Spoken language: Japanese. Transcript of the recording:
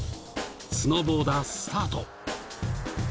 スノーボーダースタート。